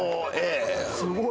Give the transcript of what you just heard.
すごい。